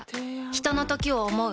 ひとのときを、想う。